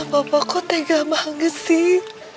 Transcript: papaku tega banget sih